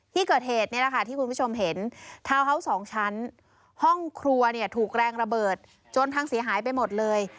ที่เกิดเหตุนี่แหละค่ะที่คุณผู้ชมเห็นทาวน์เฮาส์๒ชั้นห้องครัวเนี่ยถูกแรงระเบิดจนพังเสียหายไปหมดเลย